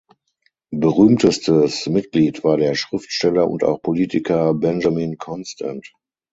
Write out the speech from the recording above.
Berühmtestes Mitglied war der Schriftsteller und auch Politiker Benjamin Constant.